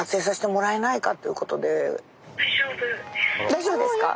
大丈夫ですか？